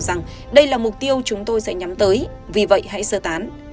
rằng đây là mục tiêu chúng tôi sẽ nhắm tới vì vậy hãy sơ tán